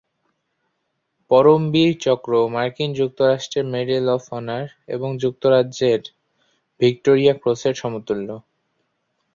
পরমবীর চক্র মার্কিন যুক্তরাষ্ট্রের medal of honour এবং যুক্তরাজ্যের ভিক্টোরিয়া ক্রসের সমতুল্য।